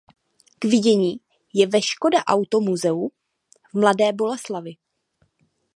K vidění je ve Škoda Auto Muzeu v Mladé Boleslavi.